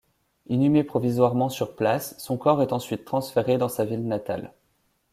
Inhumé provisoirement sur place, son corps est ensuite transféré dans sa ville natale.